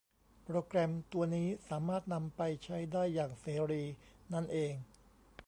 โปรแกรมตัวนี้สามารถนำไปใช้ได้อย่างเสรีนั้นเอง